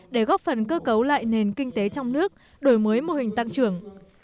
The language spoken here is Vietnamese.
để góp phần cơ cấu lại nền kinh tế trong nước đổi mới mô hình tăng trưởng